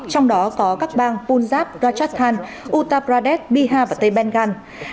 trong đó có các bang punjab rajasthan uttar pradesh bihar và tây bengal